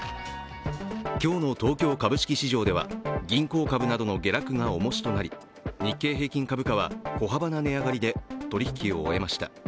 今日の東京株式市場では銀行株などの下落がおもしとなり、日経平均株価は小幅な値上がりで取引を終えました。